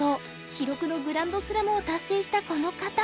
記録のグランドスラムを達成したこの方！